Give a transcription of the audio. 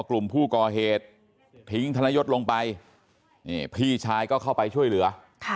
กลุ่มผู้ก่อเหตุทิ้งธนยศลงไปนี่พี่ชายก็เข้าไปช่วยเหลือ